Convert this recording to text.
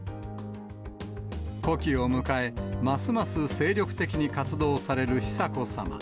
古希を迎え、ますます精力的に活動される久子さま。